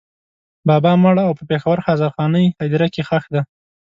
بابا مړ او په پېښور هزارخانۍ هدېره کې ښخ دی.